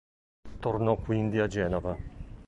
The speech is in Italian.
Tornò quindi a Genova.